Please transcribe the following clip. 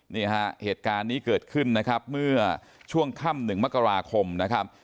นี่ฮะเหตุการณ์นี้เกิดขึ้นนะครับเมื่อช่วงค่ำ๑มกราคมนะครับ